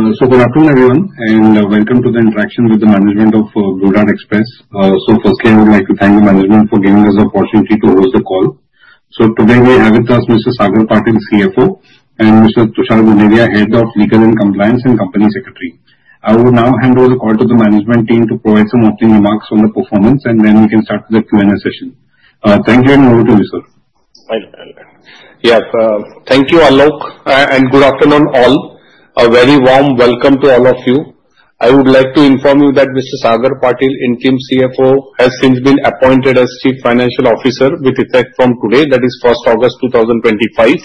Good afternoon, everyone, and welcome to the interaction with the management of Blue Dart Express. Firstly, I would like to thank the management for giving us the opportunity to host the call. Today we have with us Mr. Sagar Patil, CFO, and Mr. Tushar Gunderia, Head of Legal and Compliance and Company Secretary. I will now hand over the call to the management team to provide some opening remarks on the performance, and then we can start with the Q&A session. Thank you and over to you, sir. Yeah, thank you, Alok, and good afternoon all. A very warm welcome to all of you. I would like to inform you that Mr. Sagar Patil, Interim CFO, has since been appointed as Chief Financial Officer with effect from today, that is 1st August 2025.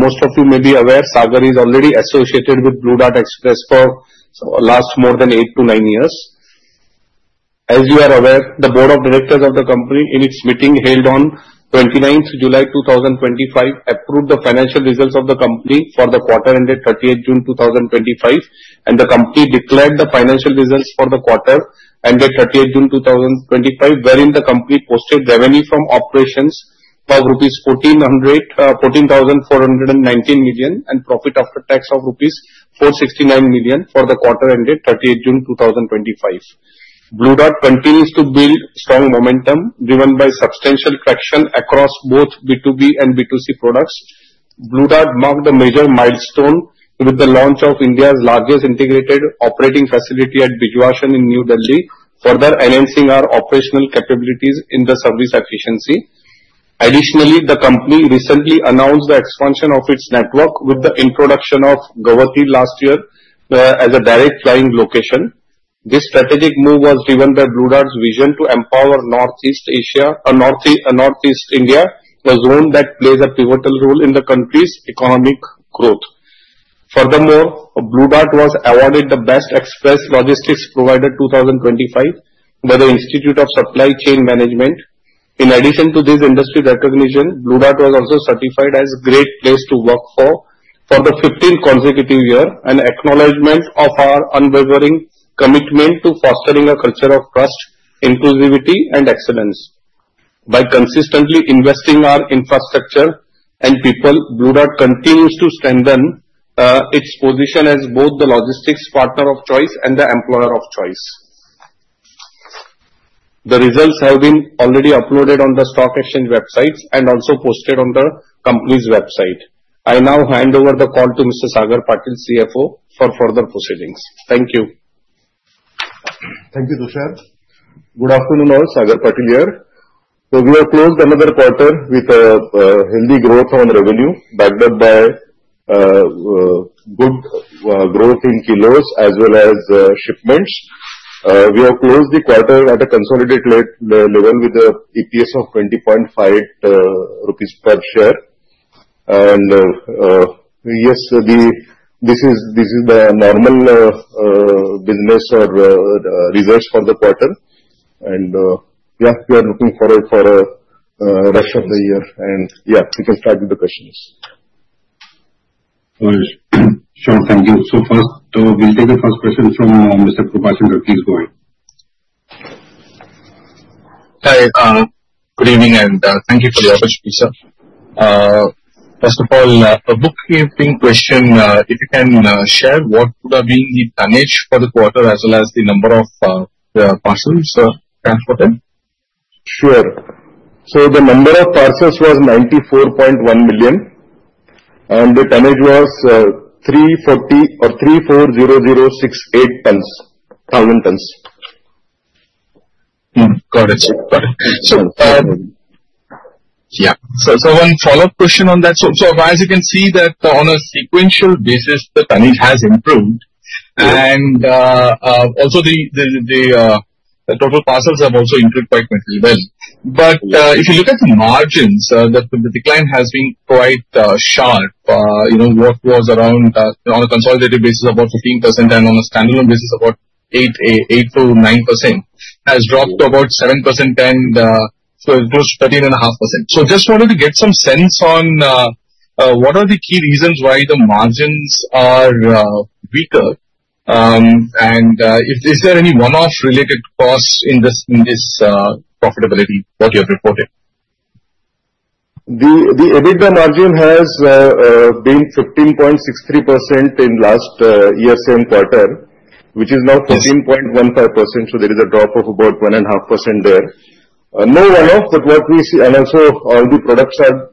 Most of you may be aware, Sagar is already associated with Blue Dart Express for the last more than eight to nine years. As you are aware, the Board of Directors of the company, in its meeting held on 29th July 2025, approved the financial results of the company for the quarter ended 30 June 2025, and the company declared the financial results for the quarter ended 30 June 2025, wherein the company posted revenue from operations of 14,419 million and profit after tax of rupees 469 million for the quarter ended 30 June 2025. Blue Dart continues to build strong momentum driven by substantial traction across both B2B and B2C products. Blue Dart marked a major milestone with the launch of India's largest integrated operating facility at Bijwasan in New Delhi, further enhancing our operational capabilities and service efficiency. Additionally, the company recently announced the expansion of its network with the introduction of Guwahati last year as a direct flying location. This strategic move was driven by Blue Dart's vision to empower Northeast India, a zone that plays a pivotal role in the country's economic growth. Furthermore, Blue Dart was awarded the Best Express Logistics Provider 2025 by the Institute of Supply Chain Management. In addition to this industry recognition, Blue Dart was also certified as a Great Place to Work for the 15th consecutive year, an acknowledgement of our unwavering commitment to fostering a culture of trust, inclusivity, and excellence. By consistently investing in our infrastructure and people, Blue Dart continues to strengthen its position as both the logistics partner of choice and the employer of choice. The results have been already uploaded on the stock exchange websites and also posted on the company's website. I now hand over the call to Mr. Sagar Patil, CFO, for further proceedings. Thank you. Thank you, Tushar. Good afternoon all, Sagar Patil here. We have closed another quarter with healthy growth on revenue, backed up by good growth in kilos as well as shipments. We have closed the quarter at a consolidated level with an EPS of INR 20.5 per share. This is the normal business or reverse for the quarter. We are looking forward for the rest of the year. We can start with the questions. Thank you. We'll take the first question from [Mr. Patash] to keep going. Thank you for your attention, sir. A bookkeeping question. If you can share what would have been the damage for the quarter as well as the number of parcels transported? Sure. The number of parcels was 94.1 million. The damage was 340,068 tons. One follow-up question on that. As you can see, on a sequential basis, the damage has improved, and also the total parcels have also improved quite well. If you look at the margins, the decline has been quite sharp. We have around, on a consolidated basis, about 15%, and on a standalone basis, about 8%-9%. It has dropped to about 7%. It was 13.5%. Just trying to get some sense on what are the key reasons why the margins are weaker. Is there any one-off related cost in this profitability that you have reported? The EBITDA margin has been 15.63% in the last year's same quarter, which is now 15.15%. There is a drop of about 1.5% there. What we see, and also all the products are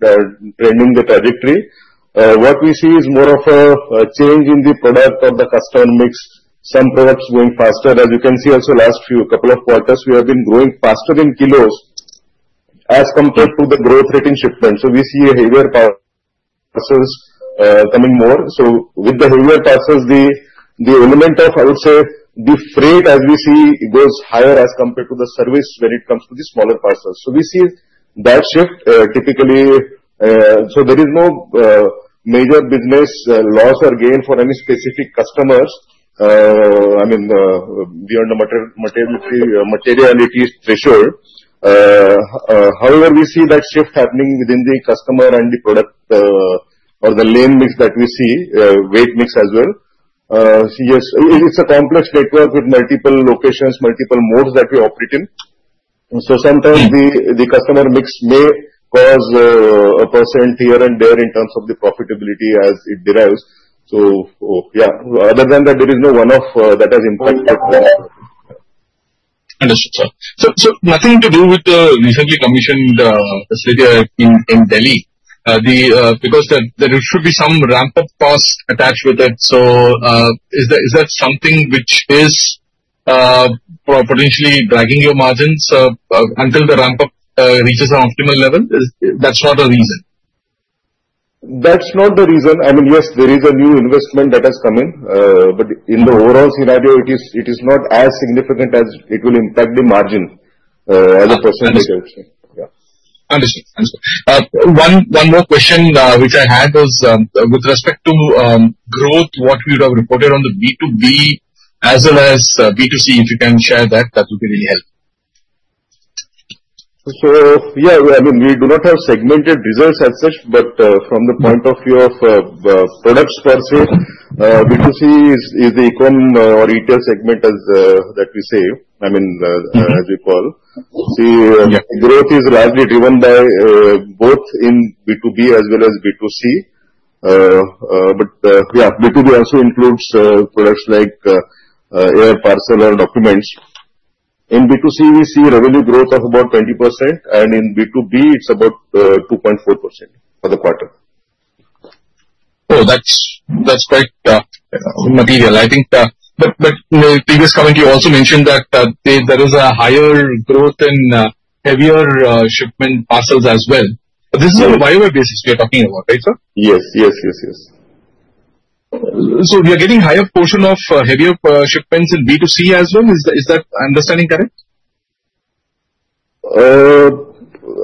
trending the trajectory, what we see is more of a change in the product or the customer mix. Some products going faster. As you can see, also the last few couple of quarters, we have been growing faster in kilos as compared to the growth rate in shipments. We see heavier parcels coming more. With the heavier parcels, the element of also the freight, as we see, goes higher as compared to the service when it comes to the smaller parcels. We see that shift typically. There is no major business loss or gain for any specific customers, beyond the materiality threshold. However, we see that shift happening within the customer and the product or the lane mix that we see, weight mix as well. Yes, it's a complex network with multiple locations, multiple modes that we operate in. Sometimes the customer mix may cause a percent here and there in terms of the profitability as it derives. Other than that, there is no one-off that has impacted the quarter. Understood, sir. One thing to do with the recently commissioned facility in Delhi, because there should be some ramp-up costs attached with it. Is that something which is potentially dragging your margins until the ramp-up reaches an optimal level? That's not a reason. That's not the reason. I mean, yes, there is a new investment that has come in. In the overall scenario, it is not as significant as it will impact the margin as a percentage of. Understood. One more question which I had was with respect to growth, what we would have reported on the B2B as well as B2C, if you can share that, that would be really helpful. Yeah, I mean, we do not have segmented results as such, but from the point of view of products per se, B2C is the equal or equal segment as that we say, I mean, as we call. Growth is largely driven by growth in B2B as well as B2C. B2B also includes products like air parcel and documents. In B2C, we see revenue growth of about 20%, and in B2B, it's about 2.4% for the quarter. That's quite material. I think the previous comment, you also mentioned that there is a higher growth in heavier shipment parcels as well. This is on a bi-year basis we are talking about, right, sir? Yes, yes, yes, yes. We are getting a higher proportion of heavier shipments in B2C as well. Is that understanding correct?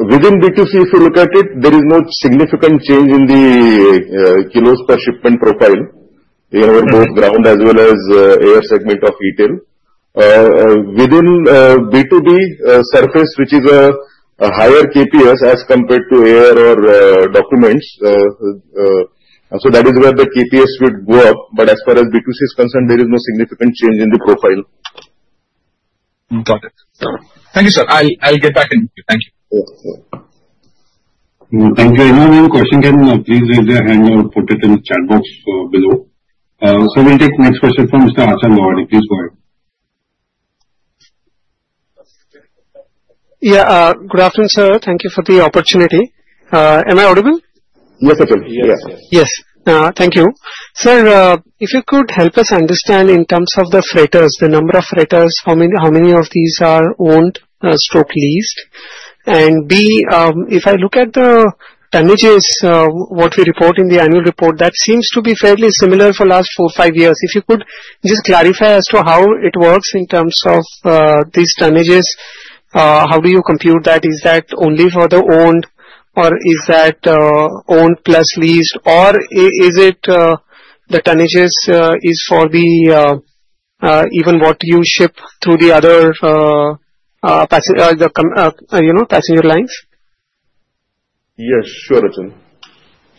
Within B2C, if you look at it, there is no significant change in the kilos per shipment profile. We have both ground as well as air segment of retail. Within B2B surface, which is a higher KPS as compared to air or documents, that is where the KPS would go up. As far as B2C is concerned, there is no significant change in the profile. Got it. Thank you, sir. I'll get back to you. Thank you. If you have any questions, please either hang on or put it in the chat box below. We'll take the next question from Mr. Asam, please go ahead. Good afternoon, sir. Thank you for the opportunity. Am I audible? Yes, sir. Yes. Thank you. Sir, if you could help us understand in terms of the freighters, the number of freighters, how many of these are owned/leased? If I look at the damages, what we report in the annual report, that seems to be fairly similar for the last four or five years. If you could just clarify as to how it works in terms of these damages, how do you compute that? Is that only for the owned, or is that owned plus leased, or is it the damages is for the even what you ship through the other, you know, passenger lines? Yes, sure, Asam.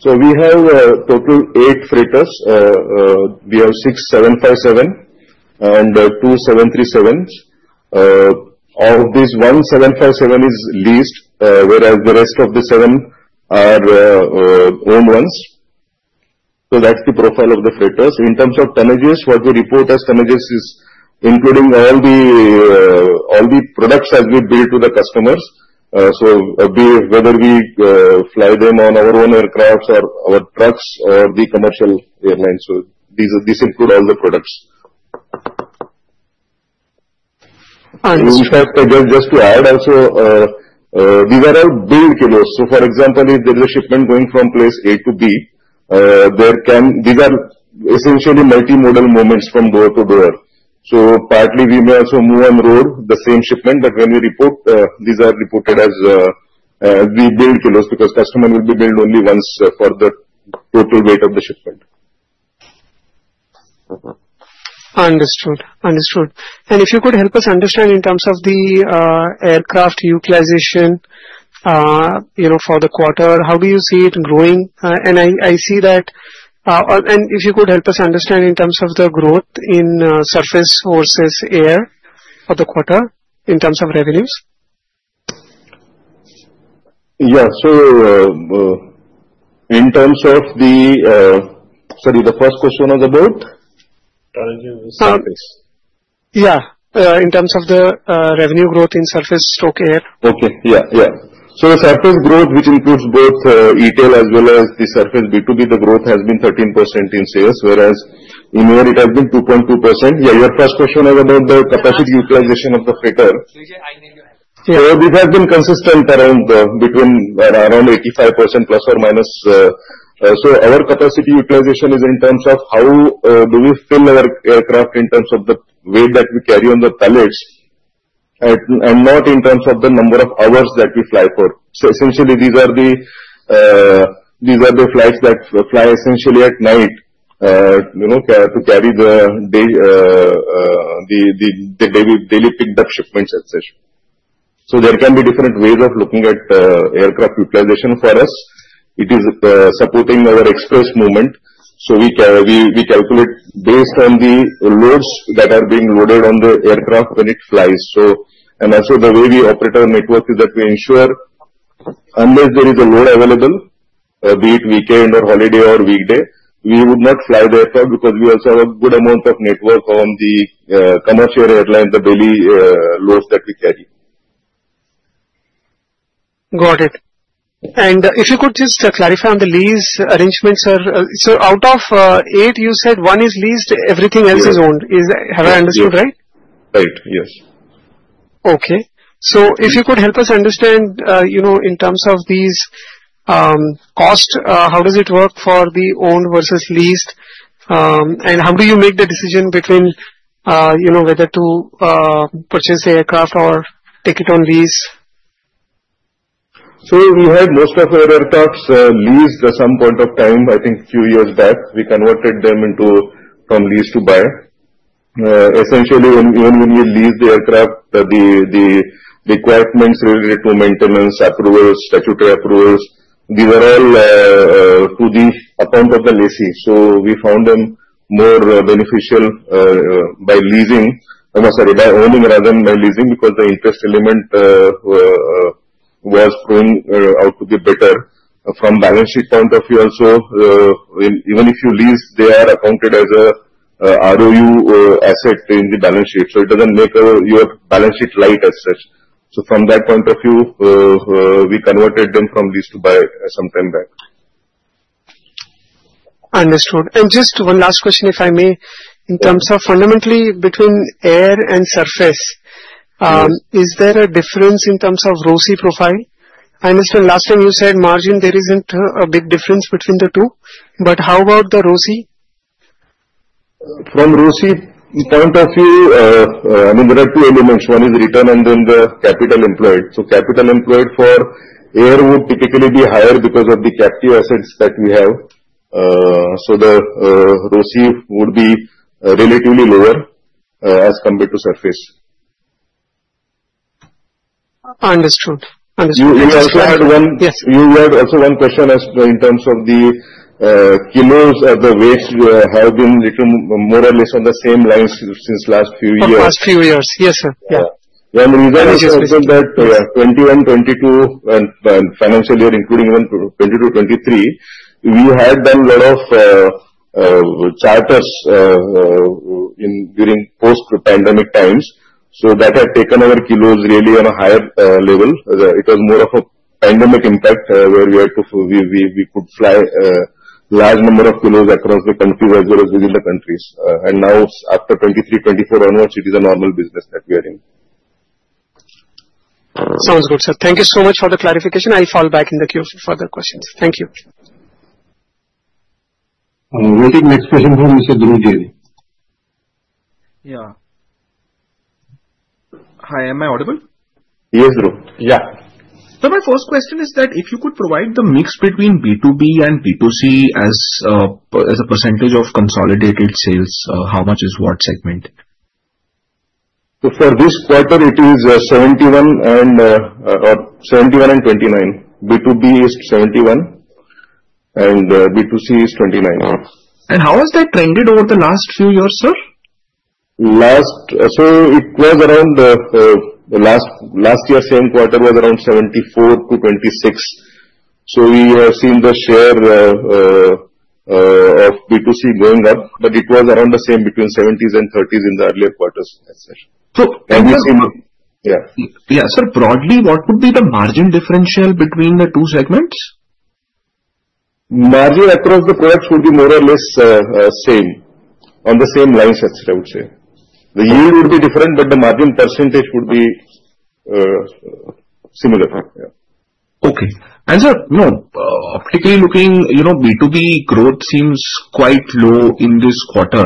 We have a total of eight freighters. We have six 757s and two 737s. One 757 is leased, whereas the rest of the seven are owned ones. That's the profile of the freighters. In terms of damages, what we report as damages is including all the products that we bill to the customers, whether we fly them on our own aircraft or our trucks or the commercial airlines. These include all the products. Understood. Just to add, we were also out doing kilos. For example, if there is a shipment going from place A to B, there can be essentially multi-modal movements from door to door. Partly, we may also move on road the same shipment, but when we report, these are reported as we bill kilos because customer will be billed only once for the total weight of the shipment. Understood. If you could help us understand in terms of the aircraft utilization for the quarter, how do you see it growing? If you could help us understand in terms of the growth in surface versus air for the quarter in terms of revenues. Yeah, sure. In terms of the first question, what was it about? Yeah, in terms of the revenue growth in surface segment slash air. Okay. Yeah, yeah. The surface growth, which includes both retail as well as the surface B2B, the growth has been 13% in sales, whereas in air, it has been 2.2%. Your first question was about the capacity utilization of the freighter. This has been consistent around between around 85%±. Our capacity utilization is in terms of how we fill our aircraft in terms of the weight that we carry on the tallows and not in terms of the number of hours that we fly for. Essentially, these are the flights that fly at night to carry the daily picked-up shipments at session. There can be different ways of looking at aircraft utilization. For us, it is supporting our express movement. We calculate based on the loads that are being loaded on the aircraft when it flies. Also, the way we operate our network is that we ensure unless there is a load available, be it weekend or holiday or weekday, we would not fly the aircraft because we also have a good amount of network on the commercial airline, the daily loads that we carry. Got it. If you could just clarify on the lease arrangement, sir, out of eight, you said one is leased, everything else is owned. Have I understood right? Right. Yes. Okay. If you could help us understand, in terms of these costs, how does it work for the owned versus leased? How do you make the decision between whether to purchase the aircraft or take it on lease? We had most of our aircraft leased at some point of time, I think a few years back. We converted them from lease to buy. Essentially, when we lease the aircraft, the requirements related to maintenance, approvals, statutory approvals, these are all applied to the lease. We found them more beneficial by owning rather than leasing because the interest element was going out to be better. From a balance sheet point of view, also, even if you lease, they are accounted as an ROU asset in the balance sheet. It doesn't make your balance sheet light as such. From that point of view, we converted them from lease to buy some time back. Understood. Just one last question, if I may, in terms of fundamentally between air and surface, is there a difference in terms of ROCI profile? I understand last time you said margin there isn't a big difference between the two, but how about the ROCI? From ROCI point of view, I mean, there are two elements. One is return and then the capital employed. Capital employed for air would typically be higher because of the captive assets that we have. The ROCI would be relatively lower as compared to surface. Understood. Understood. You also had one question in terms of the kilos at the waist. You have been a little more or less on the same lines since the last few years. The past few years. Yes, sir. Yeah. When we started that 2021, 2022, and financial year, including even 2022, 2023, we had a lot of charters during post-pandemic times. That had taken our kilos really on a higher level. It was more of a pandemic impact where we could fly a large number of kilos across the country as well as within the countries. Now, after 2023, 2024 onwards, it is a normal business that we are in. Sounds good, sir. Thank you so much for the clarification. I'll fall back in the queue for further questions. Thank you. We'll take the next question from [Mr. Guru]. Hi, am I audible? Yes, Guru. My first question is that if you could provide the mix between B2B and B2C as a percentage of consolidated sales, how much is what segment? For this quarter, it is 71% and 29%. B2B is 71% and B2C is 29%. How has that trended over the last few years, sir? Last year's same quarter was around 74%-26%. We have seen the share of B2C going up, but it was around the same between 70%s and 30%s in the earlier quarters as well. Can you? Yeah. Yeah, sir, broadly, what would be the margin differential between the two segments? Margin across the quarters would be more or less the same, on the same lines as I would say. The yield would be different, but the margin percentage would be similar. Okay. Sir, you know, optically looking, you know, B2B growth seems quite low in this quarter.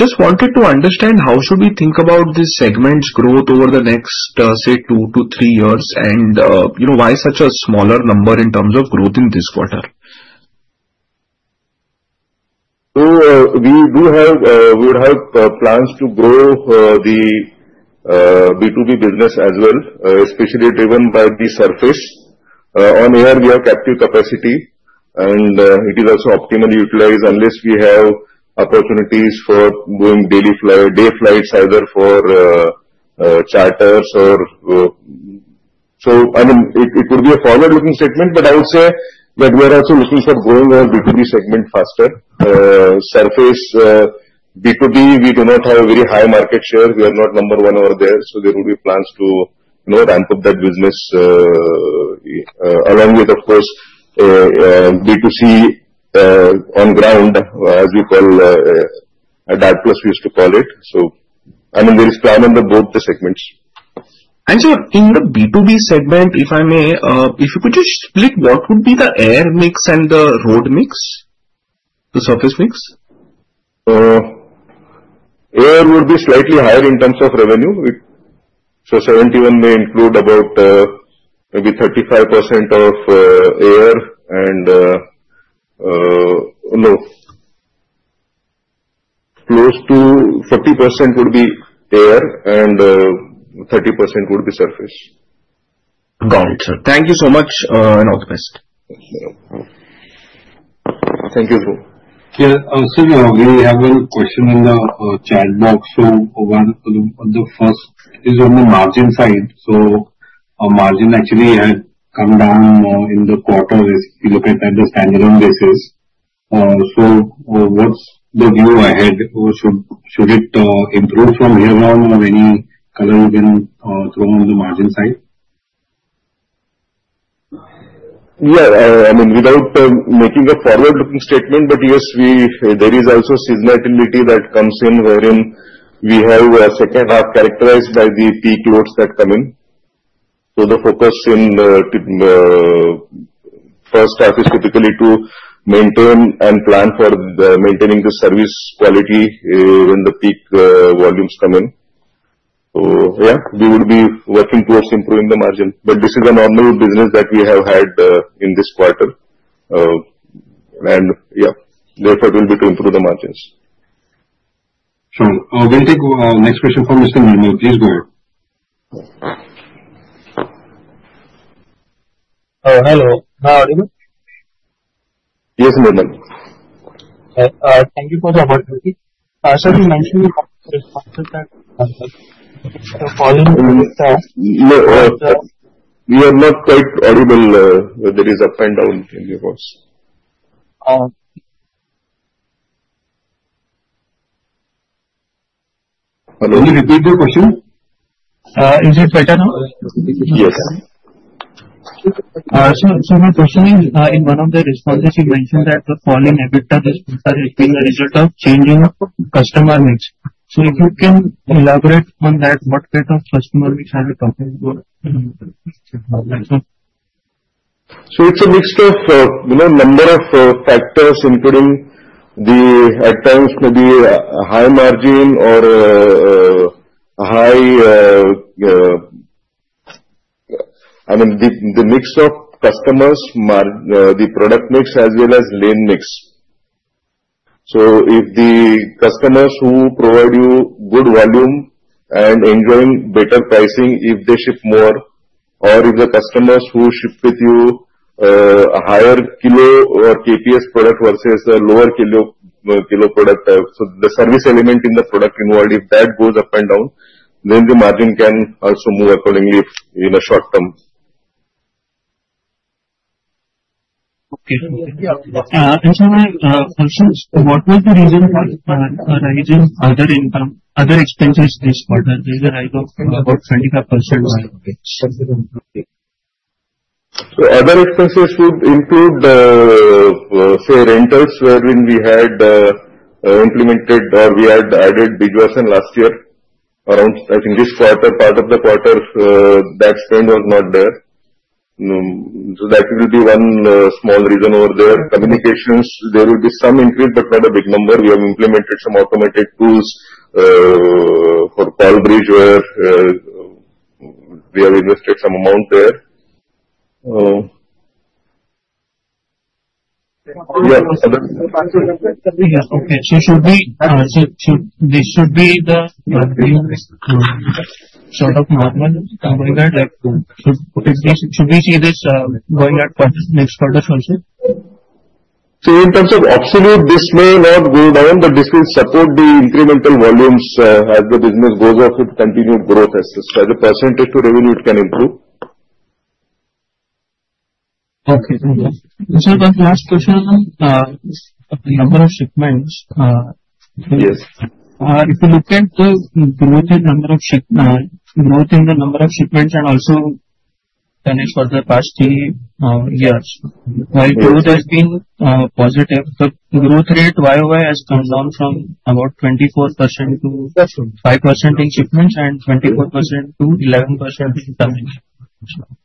Just wanted to understand how should we think about this segment's growth over the next, say, two to three years, and, you know, why such a smaller number in terms of growth in this quarter? We do have plans to grow the B2B business as well, especially driven by the surface. We have captive capacity, and it is also optimally utilized unless we have opportunities for doing daily flights either for charters or so. It could be a forward-looking segment, but I would say that we are also looking for growing our B2B segment faster. Surface B2B, we do not have a very high market share. We are not number one over there. There will be plans to ramp up that business along with, of course, B2C on ground, as we call, and Dart Plus we used to call it. There is plan in both the segments. In the B2B segment, if I may, if you could just split, what would be the air mix and the road mix, the surface mix? Air would be slightly higher in terms of revenue. 71% may include about maybe 35% of air and low. Close to 30% would be air, and 30% would be surface. Got it, sir. Thank you so much, and all the best. Thank you, Guru. Sir, I also have a question in the chat box where one of the first is on the margin side. A margin actually cannot in the quarter is independent of standalone reserves. What's the view ahead? Should it improve from here on when we know cannot get a draw on the margin side? Yeah, I mean, without making a forward-looking statement, yes, there is also seasonality that comes in wherein we have a sector that's characterized by the peak loads that come in. The focus in first half is typically to maintain and plan for maintaining the service quality when the peak volumes come in. Yeah, we would be working towards improving the margin. This is a normal business that we have had in this quarter. Yeah, therefore, it will be to improve the margins. Sure. I'll then take the next question from Mr. Nirmal. Please go ahead. Hi, my name. Am I audible? Yes, Nirmal. Thank you for the opportunity. Sir, you mentioned the following reasons. No, we are not quite audible. There is up and down in the voice. Oh. Hello. Can you repeat the question? Is it better now? Yes. Sir, my question is, in one of the responses, you mentioned that the following is repeating the result of changing customer mix. If you can elaborate on that, what kind of customer mix are the companies? It's a mix of a number of factors, including at times maybe high margin or high, I mean, the mix of customers, the product mix as well as lane mix. If the customers who provide you good volume and enjoy better pricing if they ship more, or if the customers who ship with you a higher kilo or KPS product versus a lower kilo product, the service element in the product involved, if that goes up and down, then the margin can also move accordingly in the short term. Okay. Thank you. There was another question. What was the measurement of the major other expenses this quarter? The reason I talked about 75%. Other expenses would include the rentals, wherein we had implemented or we had added Bijwasan last year, around I think this part of the quarter, that spend was not there. That will be one small reason over there. Communications, there will be some increase, but not a big number. We have implemented some automated tools for call bridge where we have invested some amount there. Should this be the real sort of normal going at, should we see this going at this quarter's function? In terms of actually, this will be the business support the incremental volumes as the business goes up with continued growth. As a percent to revenue, it can improve. Okay, thank you. This is our last question. The number of shipments. Yes. If you look at the growth in the number of shipments, growth in the number of shipments and also for the past three years, the growth has been positive, but the growth rate year-over-year has gone down from about 24%-5% in shipments and 24%-11% in coming.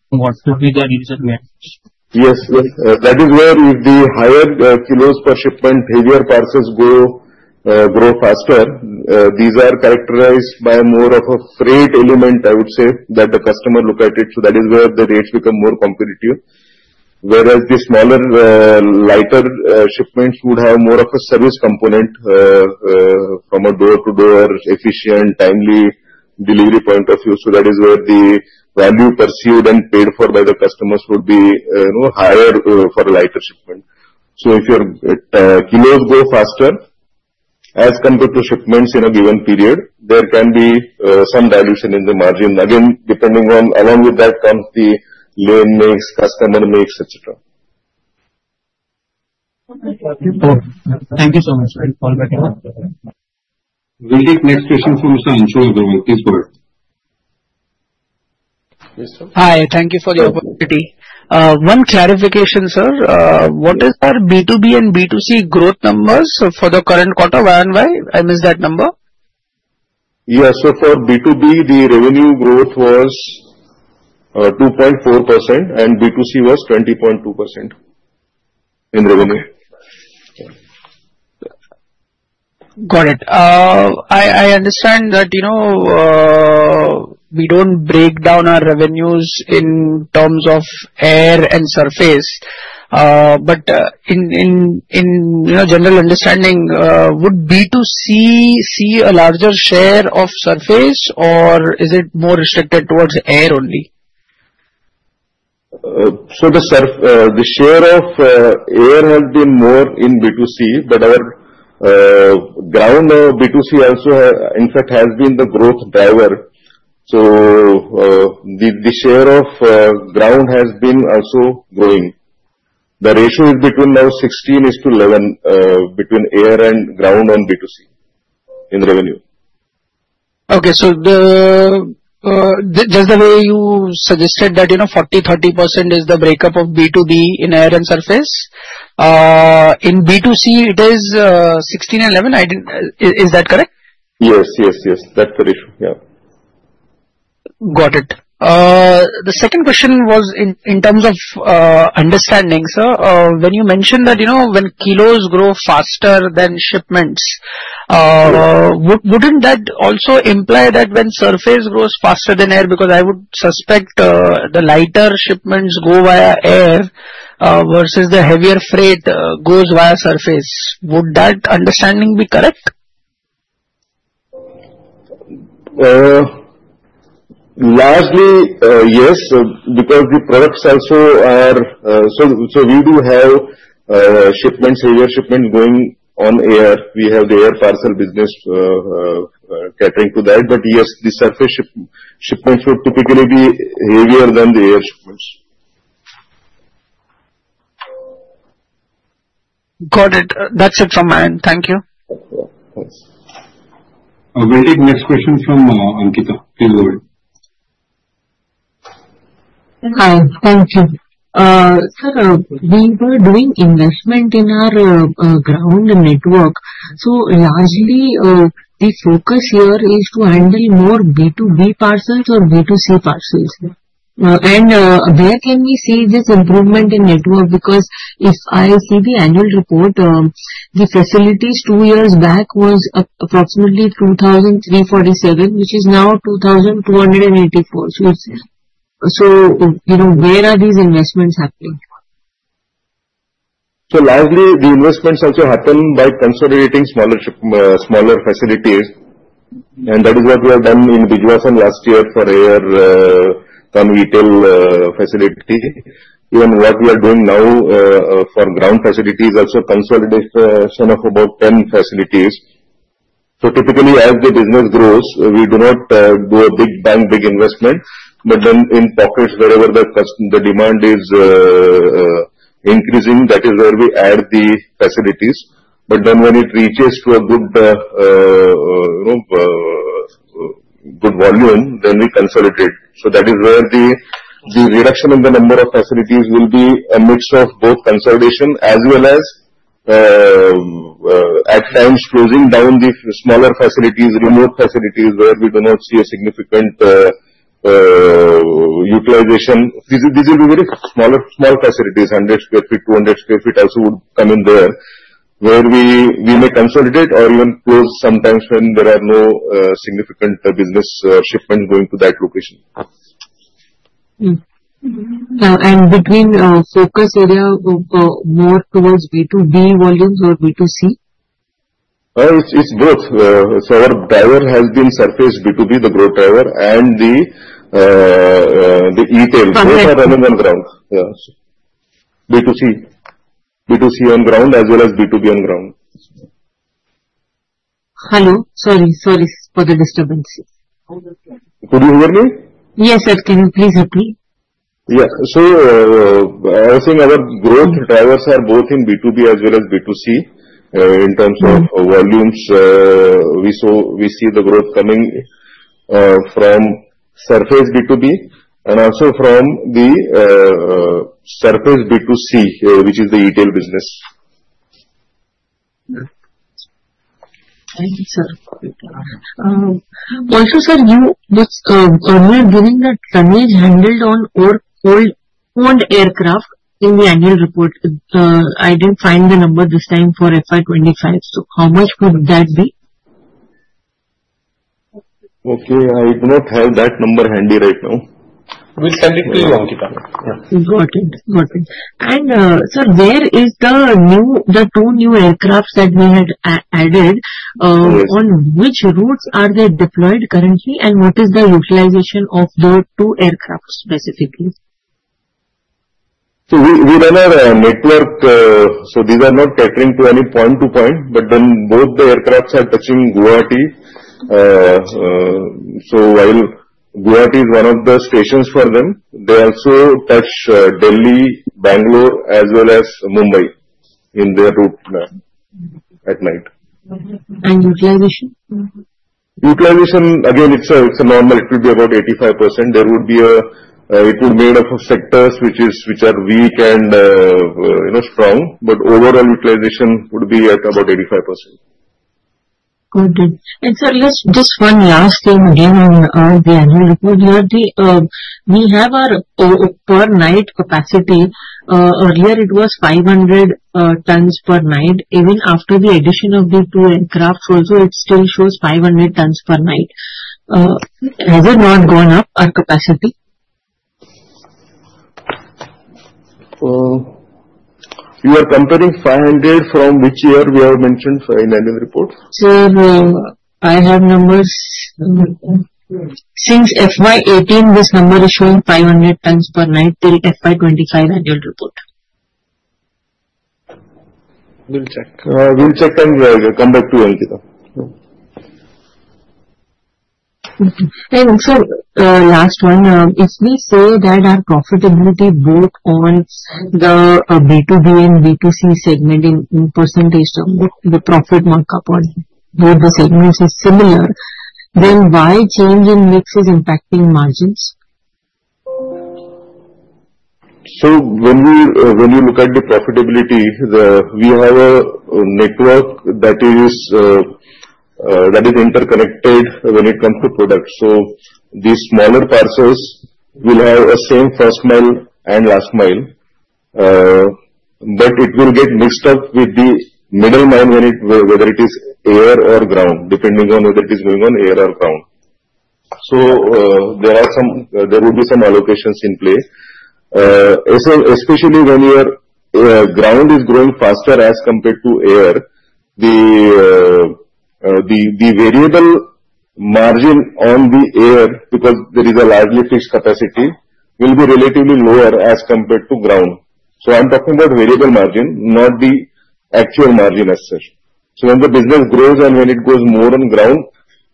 What would be the reason here? Yes, that is where if the higher kilos per shipment, heavier parcels grow faster. These are characterized by more of a freight element, I would say, that the customer looks at it. That is where the rates become more competitive. Whereas the smaller, lighter shipments would have more of a service component from a door-to-door, efficient, timely delivery point of view. That is where the value perceived and paid for by the customers would be higher for a lighter shipment. If your kilos grow faster as compared to shipments in a given period, there can be some dilution in the margin, again, depending on along with that comes the lane mix, customer mix, etc. Thank you so much. We'll take the next question from [Mr. Anto]. Yes, sir. Hi. Thank you for the opportunity. One clarification, sir. What is the B2B and B2C growth numbers for the current quarter? Why did I miss that number? Yeah, for B2B, the revenue growth was 2.4% and B2C was 20.2% in revenue. Got it. I understand that we don't break down our revenues in terms of air and surface. In a general understanding, would B2C see a larger share of surface, or is it more restricted towards air only? The share of air has been more in B2C, but our ground B2C also, in fact, has been the growth driver. The share of ground has been also growing. The ratiois now 16%:11% between air and ground on B2C in revenue. Okay. Just the way you suggested that, you know, 40%, 30% is the breakup of B2B in air and surface. In B2C, it is 16% and 11%. Is that correct? Yes, yes, that's the ratio. Yeah. Got it. The second question was in terms of understanding, sir. When you mentioned that, you know, when kilos grow faster than shipments, wouldn't that also imply that when surface grows faster than air? I would suspect the lighter shipments go via air versus the heavier freight going via surface. Would that understanding be correct? Largely, yes, because the products also are, so we do have shipments, heavier shipments going on air. We have the air parcel business catering to that. Yes, the surface shipments would typically be heavier than the air shipments. Got it. That's it from my end. Thank you. I'll wait for the next question from Ankita. Sir, we were doing investment in our ground network. Largely, the focus here is to aggregate more B2B parcels or B2C parcels. Where can we see this improvement in network? If I see the annual report, the facilities two years back were approximately 2,347, which is now 2,284. You know where are these investments happening? Largely, the investments also happen by consolidating smaller facilities. That is what we have done in Bijwasan last year for air and retail facilities. Even what we are doing now for ground facilities is also consolidation of about 10 facilities. Typically, as the business grows, we do not do a big bang, big investment. In pockets wherever the demand is increasing, that is where we add the facilities. When it reaches to a good volume, then we consolidate. The reduction in the number of facilities will be a mix of both consolidation as well as at times closing down the smaller facilities, remote facilities where we do not see a significant utilization. These are very small facilities, 100 sq ft, 200 sq ft also would come in there where we may consolidate or even close sometimes when there are no significant business shipments going to that location. Has it been focused earlier more towards B2B versus B2C? Our driver has been surface B2B, the growth driver, and the retail. Both are running on ground. B2C. B2C on ground as well as B2B on ground. Hello. Sorry for the disturbance. Could you overhear? Yes, sir. Can you please repeat? Yeah. I also know the growth drivers are both in B2B as well as B2C. In terms of volumes, we see the growth coming from surface B2B and also from the surface B2C, which is the retail business. Thank you, sir. Sir, you just forwarded the tonnage handled on aircraft in the annual report. I didn't find the number this time for FY 2025. How much would that be? Okay, I do not have that number handy right now. We'll send it to you, Ankita. Okay. Where is the two new aircraft that were added? On which routes are they deployed currently, and what is the localization of the two aircraft specifically? Routes are network. These are not catering to any point-to-point, but then both the aircrafts are touching Guwahati. While Guwahati is one of the stations for them, they also touch Delhi, Bangalore, as well as Mumbai in their route at night. And utilization? Utilization, again, it's normal. It would be about 85%. It would be made up of sectors which are weak and, you know, strong. Overall, utilization would be at about 85%. Got it. Sir, just one last thing again on the annual report. We have our per night capacity. Earlier, it was 500 tons per night. Even after the addition of the two aircraft, it still shows 500 tons per night. Why has it not gone up, our capacity? You are comparing 500 tons from which year we have mentioned in the annual report? I have numbers. Since FY 2018, this number is showing 500 tons per night in FY 2025 annual report. We'll check and come back to you, Ankita. Sir, the last one, if we say that our profitability both on the B2B and B2C segment in percentage of the profit markup on where the segments are similar, then why change in mixes impacting margins? When you look at the profitability, we have a network that is interconnected when it comes to product. The smaller parcels will have the same first mile and last mile, but it will get mixed up with the middle mile when it is air or ground, depending on whether it is going on air or ground. There will be some allocations in play. Especially when your ground is growing faster as compared to air, the variable margin on the air, because there is a largely fixed capacity, will be relatively lower as compared to ground. I'm talking about variable margin, not the actual margin as such. When the business grows and when it goes more on ground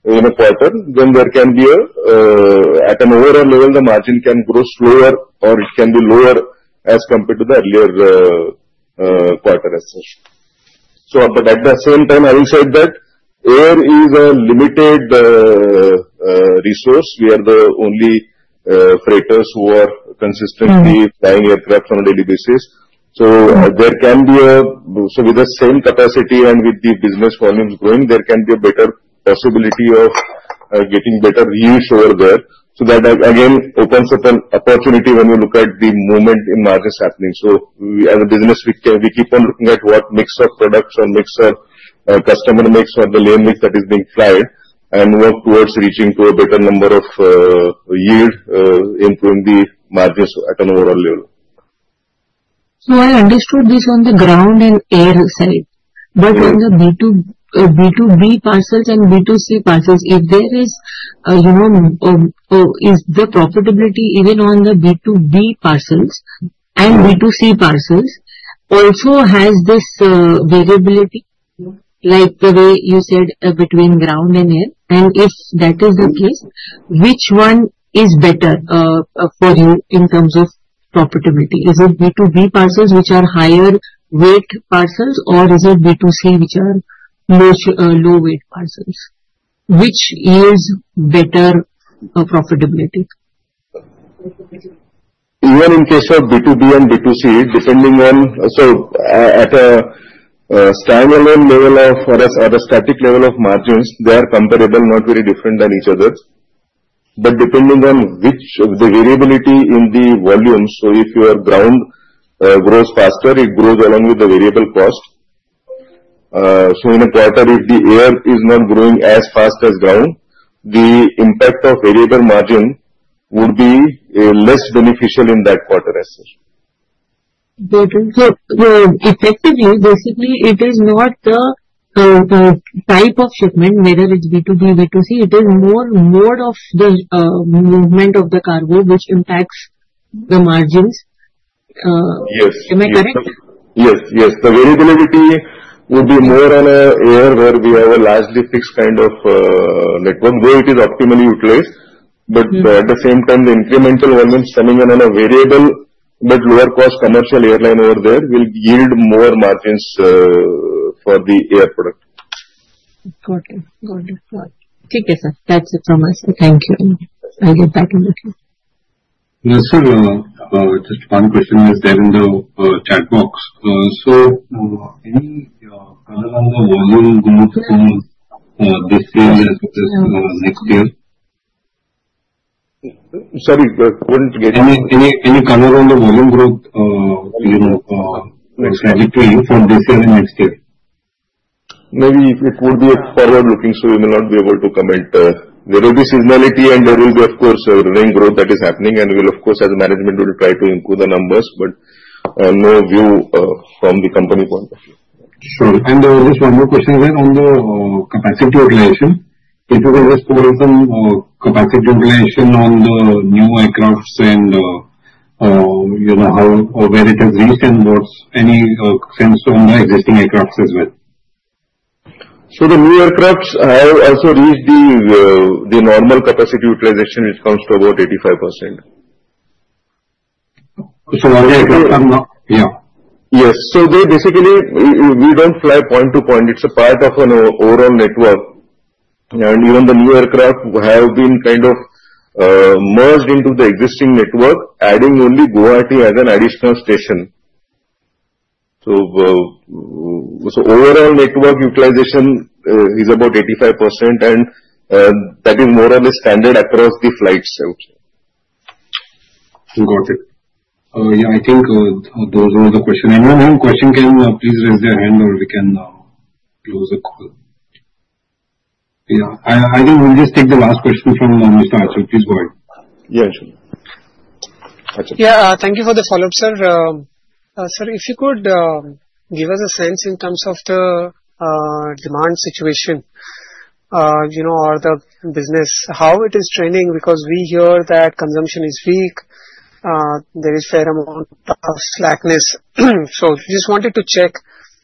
in a quarter, then at an overall level, the margin can grow slower or it can be lower as compared to the earlier quarter. At the same time, I will say that air is a limited resource. We are the only freighters who are consistently flying aircraft on a daily basis. With the same capacity and with the business volumes growing, there can be a better possibility of getting better reuse over there. That again opens up an opportunity when you look at the movement in margins happening. As a business, we keep on looking at what mix of products or mix of customer mix or the lane mix that is being tried and work towards reaching to a better number of yield, improving the margins at an overall level. I understood this on the ground and air side. On the B2B parcels and B2C parcels, if the profitability even on the B2B parcels and B2C parcels also have this variability, like the way you said between ground and air, and if that is the case, which one is better for you in terms of profitability? Is it B2B parcels which are higher weight parcels, or is it B2C which are low weight parcels? Which is better profitability? Even in case of B2B and B2C, at a standalone level or at a static level of margins, they are comparable, not very different than each other. Depending on the variability in the volumes, if your ground grows faster, it grows along with the variable cost. In a quarter, if the air is not growing as fast as ground, the impact of variable margin would be less beneficial in that quarter as such. Effectively, basically, it is not the type of shipment, whether it's B2B or B2C, it is more the load of the movement of the cargo, which impacts the margins. Yes. Am I correct? Yes, yes. The availability would be more on air where we have a largely fixed kind of network, where it is optimally utilized. At the same time, the incremental elements coming in on a variable but lower cost commercial airline over there will yield more margins for the air product. Thank you, sir. That's it from us for the time. I'll get back on the phone. Yes, sir. One question is there in the chat box. Sir, any other on the volume growth or this year or the next year? Sorry, I couldn't get it. Any comment on the volume growth? I said we can look at this year and next year. Maybe if you could do it, sir, I'm looking. We will not be able to comment. There will be seasonality, and there will be, of course, a volume growth that is happening. We will, of course, as a management, try to improve the numbers, but no view from the company point of view. There was another question on the capacity of loyalty. If there was some capacity ongoing in and new aircrafts and you know how where it is used and what's any sense on existing aircrafts as well? The new aircrafts, I have also read the normal capacity utilization, which comes to about 85%. Sorry, I'm not. Yes. Basically, we don't fly point to point. It's a part of an overall network. Even the new aircraft have been kind of merged into the existing network, adding only Guwahati as an additional station. Overall network utilization is about 85%, and that is more or less standard across the flights out there. Got it. Yeah, I think those are the questions. If anyone has a question, please raise your hand or we can close the call. Yeah, I think we'll just take the last question from Dr. Asam. Go ahead. Yeah, sure. Thank you for the follow-up, sir. Sir, if you could give us a sense in terms of the demand situation, you know, or the business, how it is trending because we hear that consumption is weak. There is a fair amount of slackness. I just wanted to check,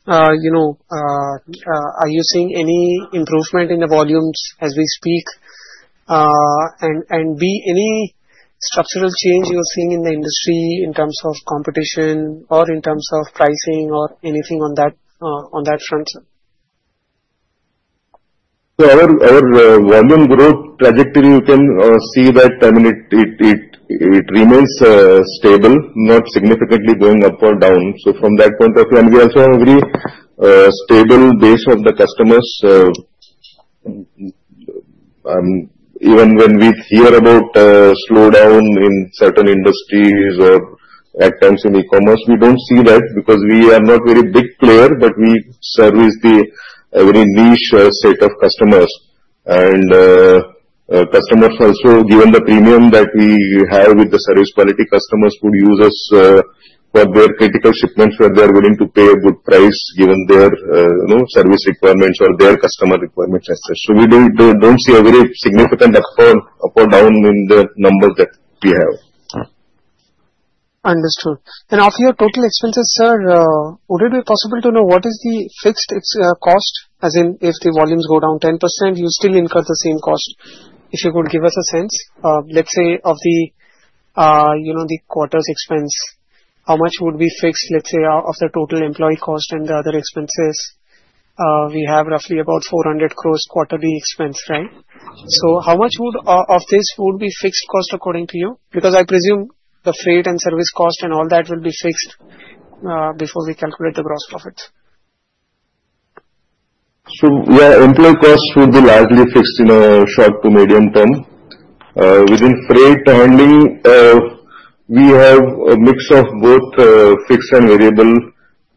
you know, are you seeing any improvement in the volumes as we speak? B, any substantial change you're seeing in the industry in terms of competition or in terms of pricing or anything on that front? The growth trajectory, you can see that it remains stable, not significantly going up or down. From that point of view, we also agree a stable base of the customers. Even when we hear about slowdown in certain industries or at times in e-commerce, we don't see that because we are not a very big player, but we service the very niche set of customers. Customers also, given the premium that we have with the service quality, could use us for their critical shipments where they are willing to pay a good price given their service requirements or their customer requirements as such. We don't see a very significant up or down in the numbers that we have. Understood. Of your total expenses, sir, would it be possible to know what is the fixed cost? As in, if the volumes go down 10%, you still incur the same cost. If you could give us a sense, let's say of the quarter's expense, how much would be fixed, let's say, of the total employee cost and the other expenses? We have roughly about 400 crore quarterly expense, right? How much of this would be fixed cost according to you? I presume the freight and service cost and all that will be fixed before we calculate the gross profits. Employee costs would be largely fixed in a short to medium term. Within freight, we have a mix of both fixed and variable.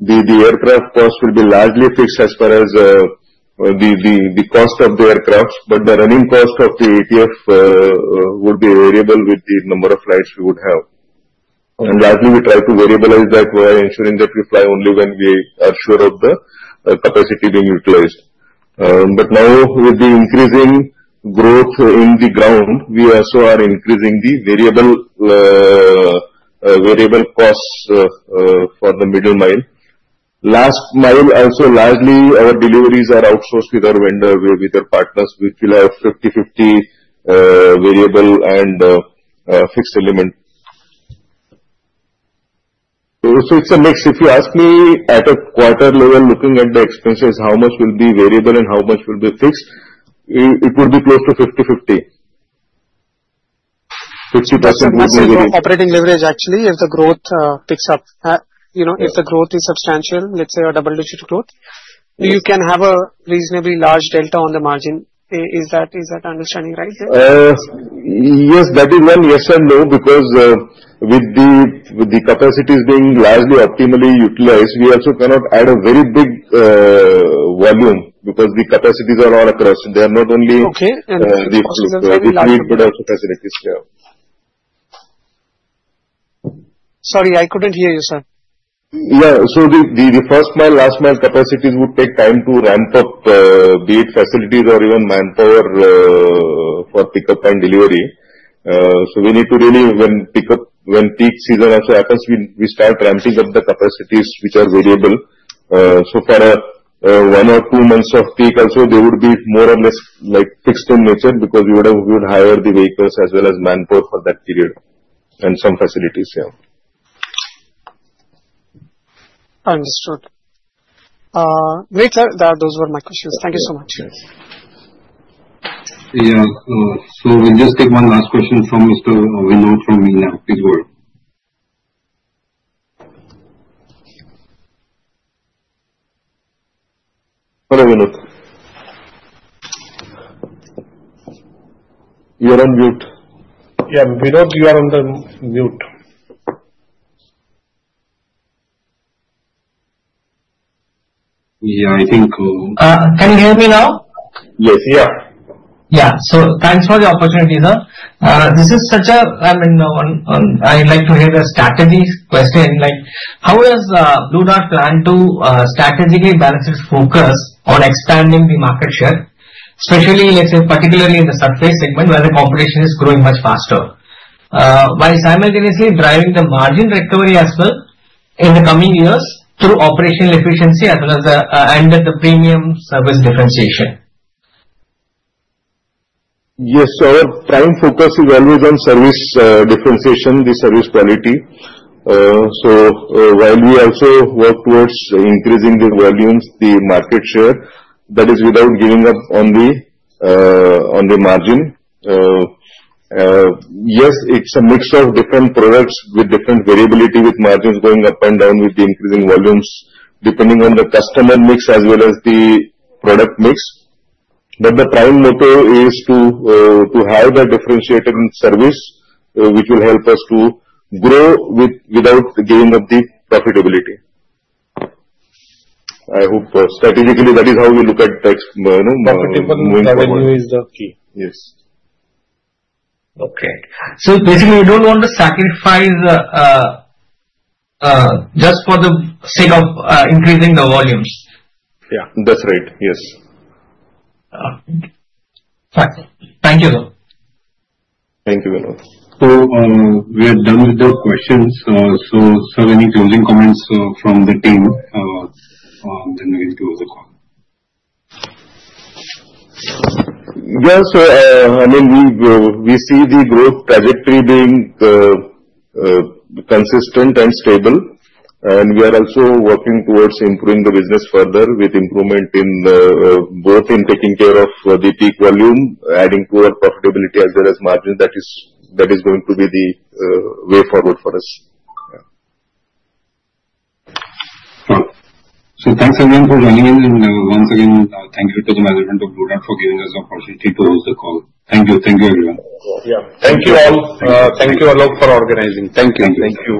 The aircraft cost would be largely fixed as far as the cost of the aircraft. The running cost of the ETF would be variable with the number of flights we would have. Lastly, we try to variabilize that by ensuring that we fly only when we are sure of the capacity being utilized. Now, with the increasing growth in the ground, we also are increasing the variable costs for the middle mile. Last mile, also largely, our deliveries are outsourced with our vendor, with our partners. We still have 50/50 variable and fixed element. It's a mix. If you ask me at a quarter level, looking at the expenses, how much will be variable and how much will be fixed, it would be close to 50/50. 50% would be variable. Operating leverage, actually, if the growth picks up, you know, if the growth is substantial, let's say a double-digit growth, you can have a reasonably large delta on the margin. Is that understanding right? Yes, that is one question, though, because with the capacities being largely optimally utilized, we also cannot add a very big volume because the capacities are all across. They are not only. Okay. Very large capacities. Sorry, I couldn't hear you, sir. Yeah. The first mile, last mile capacities would take time to ramp up, be it facilities or even manpower for pickup and delivery. We need to really, when peak season also happens, start ramping up the capacities which are variable. For a one or two months of peak also, they would be more or less like fixed in nature because we would hire the vehicles as well as manpower for that period and some facilities. Yeah. Understood. Great. Those were my questions. Thank you so much. Yeah. We'll just take one last question from Mr. Arvindo, so we can go for a minute. You're on mute. Yeah, we're on mute. I think. Can you hear me now? Yes. Thank you for the opportunity, sir. I like to hear the strategy question. How does Blue Dart plan to strategically balance its focus on expanding the market share, particularly in the surface segment where the competition is growing much faster, while simultaneously driving the margin recovery as well in the coming years through operational efficiency as well as the end of the premium service differentiation? Yes, sir. Our primary focus is always on service differentiation, the service quality. When we also work towards increasing the volumes, the market share, that is without giving up on the margin. Yes, it's a mixture of different products with different variability, with margins going up and down with the increasing volumes depending on the customer mix as well as the product mix. The primary motive is to have that differentiated in service, which will help us without giving up the profitability. I hope strategically, that is how we look at that. Driven by the new is the key. Yes. Okay. Basically, we don't want to sacrifice just for the sake of increasing the volumes. Yeah, that's right. Yes. Thank you, sir. Thank you very much. We're done with those questions. Sir, any closing comments from the team? We see the growth trajectory being consistent and stable, and we are also working towards improving the business further with improvement in both taking care of the peak volume, adding to our profitability as well as margins. That is going to be the way forward for us. Thank you everyone for joining us. Thank you to the management of Blue Dart for giving us the opportunity to hold the call. I'll send you a call. Thank you all. Thank you all for organizing. Thank you. Thank you.